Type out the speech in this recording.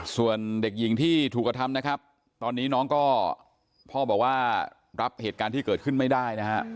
ส่วนเด็กหญิงที่ถูกกระทำนะครับตอนนี้น้องก็พ่อบอกว่ารับเหตุการณ์ที่เกิดขึ้นไม่ได้นะฮะ